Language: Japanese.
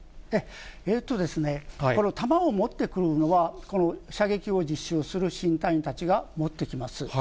えーとですね、弾を持ってくるのは、この射撃を実習する新隊員たちが持ってきます。